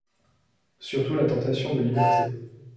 Surtout la tentation de liberté.